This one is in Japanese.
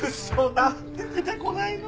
なんで出てこないの？